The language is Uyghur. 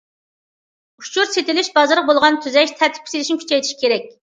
ئۇچۇر سېتىۋېلىش بازىرىغا بولغان تۈزەش، تەرتىپكە سېلىشنى كۈچەيتىش كېرەك.